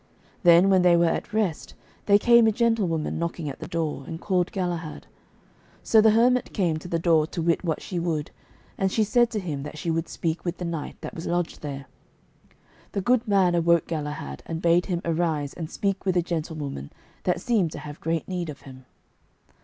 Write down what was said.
Then when they were at rest, there came a gentlewoman knocking at the door, and called Galahad. So the hermit came to the door to wit what she would, and she said to him that she would speak with the knight that was lodged there. The good man awoke Galahad, and bade him arise and speak with a gentlewoman that seemed to have great need of him.